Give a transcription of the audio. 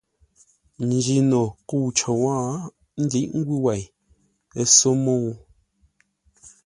Njino kə̂u cər wó ńdíʼ ngwʉ̂ wei, ə́ só mə́u.